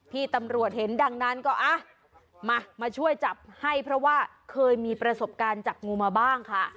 พี่ตำรวจเห็นดังนั้นก็มามาช่วยจับให้เพราะว่าเคยมีประสบการณ์จับงูมาบ้างค่ะ